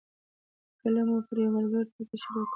کله مو پر یو ملګري ټوکې شروع کړې.